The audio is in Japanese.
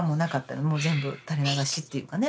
全部垂れ流しっていうかね